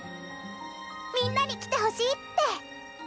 みんなに来てほしいって！